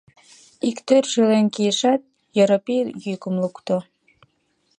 Иктӧр шӱлен кийышат, Йоропий йӱкым лукто: